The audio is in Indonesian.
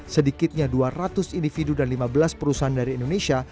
sedikitnya dua ratus individu dan lima belas perusahaan dari indonesia